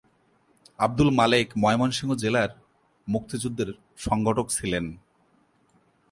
আব্দুল মালেক ময়মনসিংহ জেলার মুক্তিযুদ্ধের সংগঠক ছিলেন।